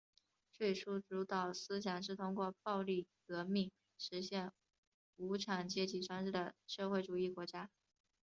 最初主导思想是通过暴力革命实现无产阶级专政的社会主义国家。